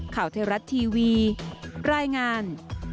ข่าวเทรัตน์ทีวีรายงาน